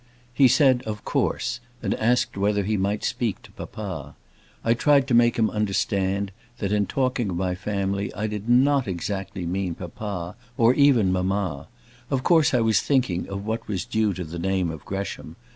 He said, of course; and asked whether he might speak to papa. I tried to make him understand, that in talking of my family, I did not exactly mean papa, or even mamma. Of course I was thinking of what was due to the name of Gresham.